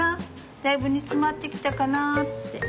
だいぶ煮詰まってきたかなって。